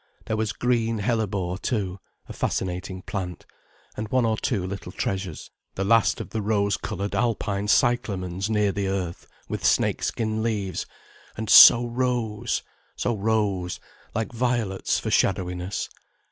There was green hellebore too, a fascinating plant—and one or two little treasures, the last of the rose coloured Alpine cyclamens, near the earth, with snake skin leaves, and so rose, so rose, like violets for shadowiness.